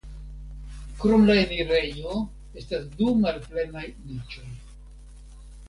Krom la enirejo estas du malplenaj niĉoj.